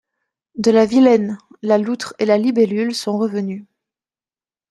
De la Vilaine ! La loutre et la libellule sont revenues.